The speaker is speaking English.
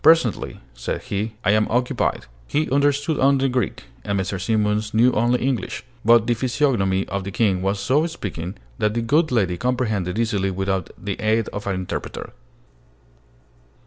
"Presently," said he: "I am occupied." He understood only Greek, and Mrs. Simons knew only English; but the physiognomy of the King was so speaking that the good lady comprehended easily without the aid of an interpreter.